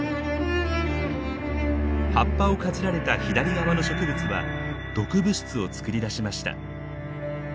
葉っぱをかじられた左側の植物は毒物質を作り出しました。